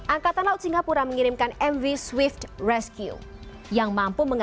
angkatan laut singapura mengirimkan mv swift rescue